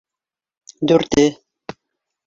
—Дүрте.